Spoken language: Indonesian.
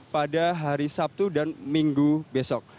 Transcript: pada hari sabtu dan minggu besok